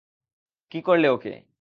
কী করলে ওকে?